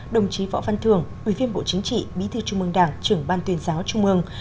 đồng chí võ văn thường ủy viên bộ chính trị bí thư trung mương đảng trưởng ban tuyên giáo trung mương